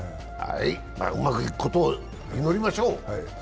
うまくいくことを祈りましょう。